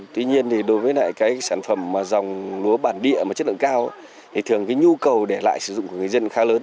tuy nhiên thì đối với lại cái sản phẩm mà dòng lúa bản địa mà chất lượng cao thì thường cái nhu cầu để lại sử dụng của người dân khá lớn